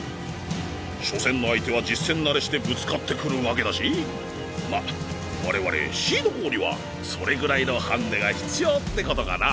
初戦の相手は実戦慣れしてぶつかってくるわけだしま我々シード校にはそれぐらいのハンデが必要ってことかな？